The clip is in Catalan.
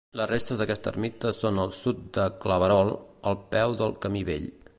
Les restes d'aquesta ermita són al sud de Claverol, al peu del Camí Vell.